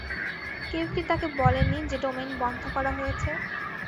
কেউ কি তাকে বলেনি যে ডোমেইন বন্ধ করা হয়েছে?